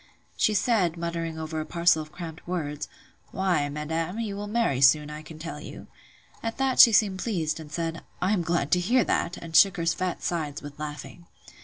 She said, muttering over a parcel of cramp words; Why, madam, you will marry soon, I can tell you. At that she seemed pleased, and said, I am glad to hear that; and shook her fat sides with laughing.